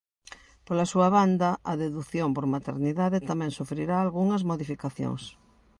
Pola súa banda, a dedución por maternidade tamén sufrirá algunhas modificacións.